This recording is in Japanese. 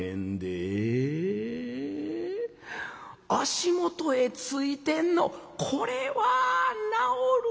足元へついてんのこれは治る。